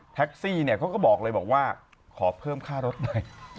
แท็กซี่เขาก็บอกเลยขอเพิ่มค่ารถได้